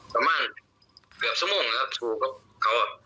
ประมาณเกือบชั่วโมงนะครับชูกับเขาอ่ะ